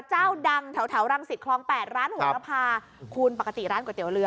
เจ้าดังแถวรังศิษย์คลอง๘ร้านหัวรภาคุณปกติร้านก๋วยเตี๋ยวเรือ